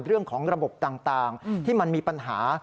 เรื่องของระบบต่างที่มันมีปัญหา